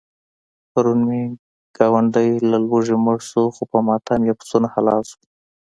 پرون مې ګاونډی له لوږې مړ شو، خو په ماتم یې پسونه حلال شول.